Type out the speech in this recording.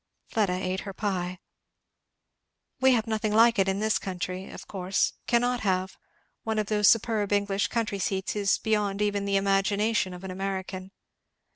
Fleda eat her pie. "We have nothing like it in this country of course cannot have. One of those superb English country seats is beyond even the imagination of an American."